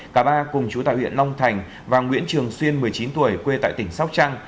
cả ba cùng chú tại huyện long thành và nguyễn trường xuyên một mươi chín tuổi quê tại tỉnh sóc trăng